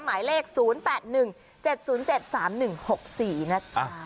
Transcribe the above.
หมายเลข๐๘๑๗๐๗๓๑๖๔นะจ๊ะ